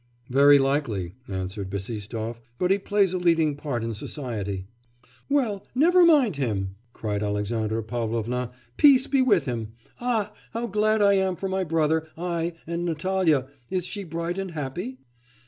'Very likely,' answered Bassistoff; 'but he plays a leading part in society.' 'Well, never mind him!' cried Alexandra Pavlovna. 'Peace be with him! Ah! how glad I am for my brother! And Natalya, is she bright and happy?